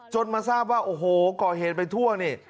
จนมาทราบว่าก่อเหตุไปทั่วนี่